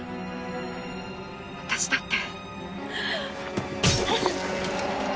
私だって。